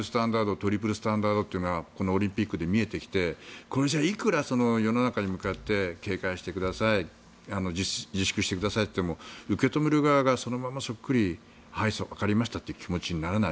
トリプルスタンダードというのがこのオリンピックで見えてきてこれじゃ、いくら世の中に向かって警戒してください自粛してくださいと言っても受け止める側がそのままそっくりはいわかりましたとならない。